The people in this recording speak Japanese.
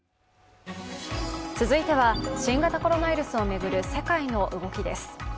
続いては、新型コロナウイルスを巡る世界の動きです。